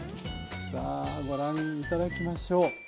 さあご覧頂きましょう。